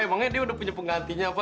emangnya dia udah punya penggantinya apa